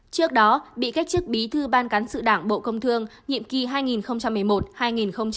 trước đó bị cách chức bí thư ban cán sự đảng bộ công thương nhiệm kỳ hai nghìn một mươi một hai nghìn một mươi sáu